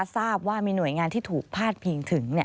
ทราบว่ามีหน่วยงานที่ถูกพาดพิงถึง